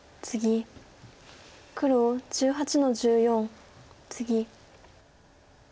黒１８の十四ツギ。